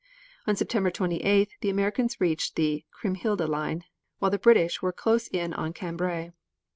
On September 28th, the Americans reached the Kriemhilde line, while the British were close in on Cambrai.